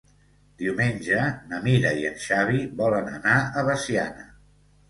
Diumenge na Mira i en Xavi volen anar a Veciana.